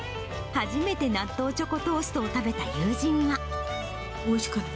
初めて納豆チョコトーストをおいしかった。